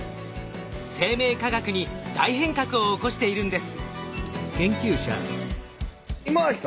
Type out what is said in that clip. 生命科学に大変革を起こしているんです。